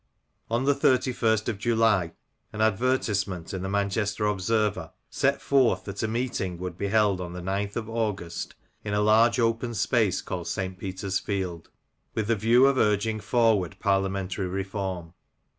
On the 31st of July an advertizement in The Manchester Observer set forth that a meeting would be held on the 9th of August in a large open space called St. Peter's Field, with the view of urging forward parliamentary reform.